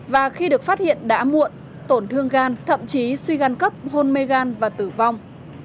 và khi được phát hiện đã muộn tổn thương gan thậm chí suy gan cấp hôn mê gan và tử vong